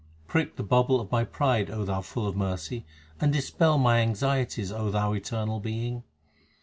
Prick the bubble of my pride, O Thou full of mercy, and dispel my anxieties, O Thou Eternal Being.